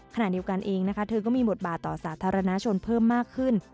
ขณะเดียวกันเองนะคะเธอก็มีบทบาทต่อสาธารณชนเพิ่มมากขึ้น